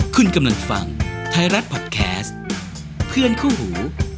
คุณกำลังฟังไทยรัฐพอดแคสต์เพื่อนคู่หู